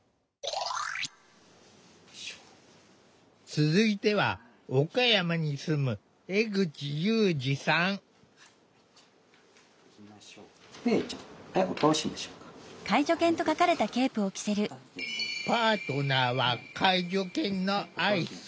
続いては岡山に住むパートナーは介助犬のアイス。